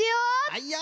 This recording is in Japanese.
はいよ！